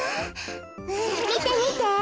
みてみて。